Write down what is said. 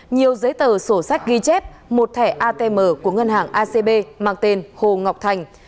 nhiều giấy tờ sổ sách ghi chép một thẻ atm của ngân hàng acb mang tên hồ ngọc thành